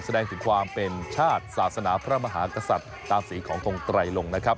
แสดงถึงความเป็นชาติศาสนาพระมหากษัตริย์ตามสีของทงไตรลงนะครับ